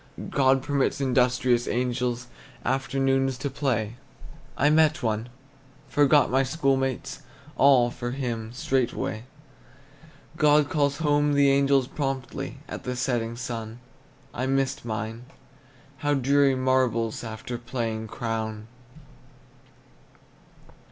God permits industrious angels Afternoons to play. I met one, forgot my school mates, All, for him, straightway. God calls home the angels promptly At the setting sun; I missed mine. How dreary marbles, After playing Crown!